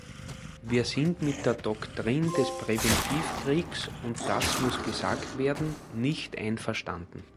Wir sind mit der Doktrin des Präventivkriegs und das muss gesagt werden nicht einverstanden.